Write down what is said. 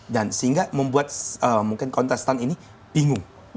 dan sehingga membuat mungkin kontestan ini bingung